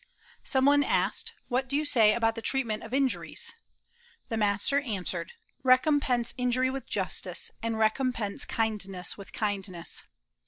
Some one asked: "What do you say about the treatment of injuries?" The master answered: "Recompense injury with justice, and recompense kindness with kindness."